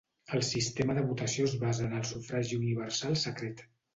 El sistema de votació es basa en el sufragi universal secret.